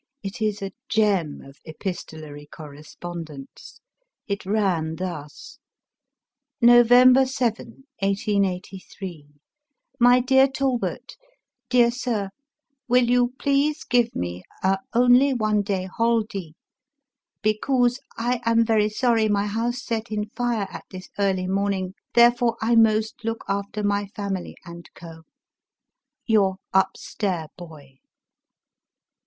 It is a gem of epistolary correspondence. It ran thus: —" November 7, 1883. " My Deab Talbot, " Deab Sib, — ^Will you please give me a only one day Holddy — becouse I am very sorry my house set in fire at this early morn ing therefore I most look after my family and Co* " YouB UP STAiB Boy."